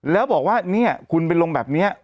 แล้วบอกว่าเนี่ยคุณไปลงแบบนี้